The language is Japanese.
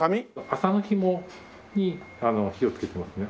麻のひもに火をつけてますね。